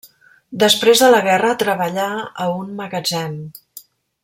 Després de la guerra treballà a un magatzem.